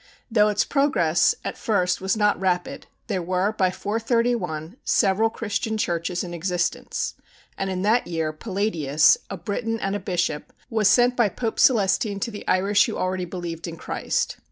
Though its progress at first was not rapid, there were, by 431, several Christian churches in existence, and in that year Palladius, a Briton and a bishop, was sent by Pope Celestine to the Irish who already believed in Christ.